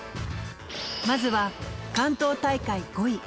まずは関東大会５位